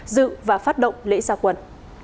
dự và phát động lễ gia quân